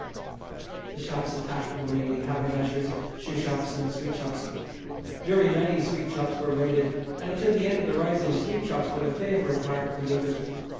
The shops attacked were mainly haberdashers, shoe shops, and sweet shops. Very many sweet shops were raided, and until the end of the rising sweet shops were the favourite mark of the looters.